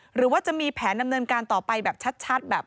หรือว่าจะมีแผนดำเนินการต่อไปแบบชัดแบบ